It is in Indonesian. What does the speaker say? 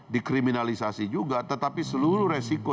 dikriminalisasi juga tetapi seluruh resiko